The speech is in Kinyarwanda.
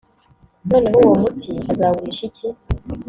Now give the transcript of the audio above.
Noneho uwo muti azawurisha iki